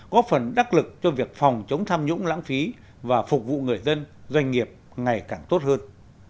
góp phần đắc lực cho việc phòng chống tham nhũng lãng phí và phục vụ người dân doanh nghiệp ngày càng tốt hơn